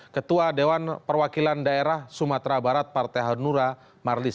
ketua dewan perwakilan daerah sumatera barat partai hanura marlis